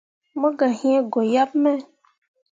Mo gah yĩĩ goyaɓ me.